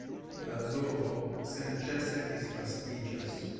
La zoo senĉese disvastiĝas.